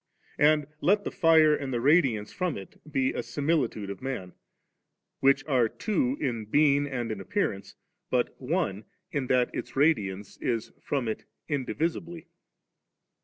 And let the fire and the radiance from it be a simili tude of man, which are two in being and in appearance, but que in that its radiance is from it indivisibly.